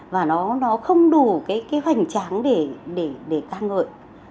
và nó không đủ cái hoành tráng để ca ngợi